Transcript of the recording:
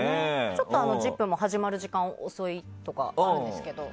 ちょっと「ＺＩＰ！」の始まる時間が遅いとかありますが。